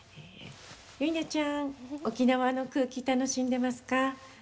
結菜ちゃん沖縄の空気、楽しんでますか？